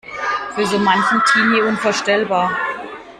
Für so manchen Teenie unvorstellbar.